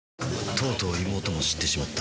とうとう妹も知ってしまった。